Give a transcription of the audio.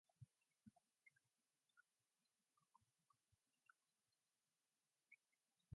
Several decades later, Vasiliev moved to work in Dumbarton Oaks.